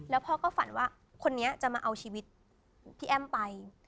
แล้วพ่อก็ฝันว่าคนนี้จะมาเอาชีวิตพี่แอ้มไป